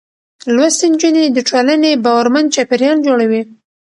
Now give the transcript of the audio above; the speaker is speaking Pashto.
لوستې نجونې د ټولنې باورمن چاپېريال جوړوي.